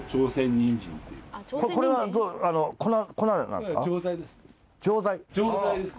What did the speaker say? これは粉なんですか？